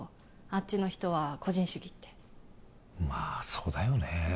あっちの人は個人主義ってまあそうだよね